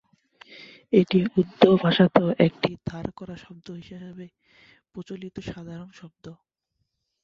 এটি উর্দু ভাষাতেও একটি ধার করা শব্দ হিসেবে প্রচলিত সাধারণ শব্দ।